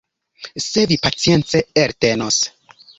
Se vi pacience eltenos.